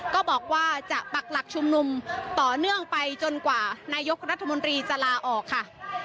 ก็บอกว่าจะปักหลักชุมนุมต่อเนื่องไปจนกว่านายกรัฐมนตรีจะลาออกค่ะ